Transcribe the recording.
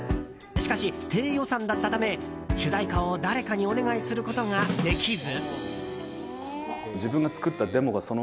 しかし、低予算だったため主題歌を誰かにお願いすることができず。